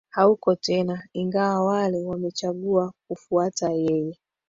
hauko tena ingawa wale wamechagua kufuata yeye